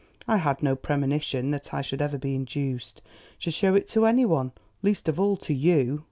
I had no premonition that I should ever be induced to show it to any one, least of all to you."